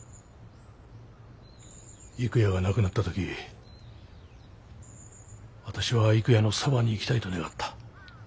郁弥が亡くなった時私は郁弥のそばに行きたいと願った。